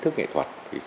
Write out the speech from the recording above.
thì có thể sẽ truyền tải